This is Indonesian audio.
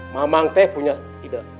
mamang teh punya ide